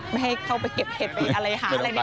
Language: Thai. ไม่ให้เข้าไปเก็บเห็ดไปอะไรหาอะไรเนี่ย